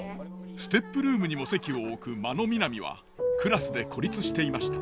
ＳＴＥＰルームにも籍を置く真野みなみはクラスで孤立していました。